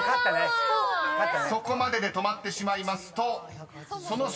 ［そこまでで止まってしまいますとその瞬間